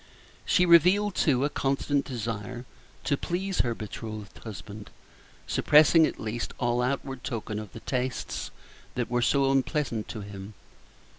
She revealed, too, a constant desire to please her betrothed husband, suppressing, at least, all outward token of the tastes that were so unpleasant to him.